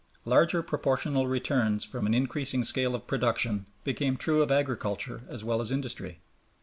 Larger proportional returns from an increasing scale of production became true of agriculture as well as industry.